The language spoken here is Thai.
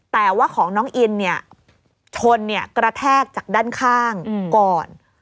แต่ว่าของน้องอินชนกระแทกจากด้านข้างก่อน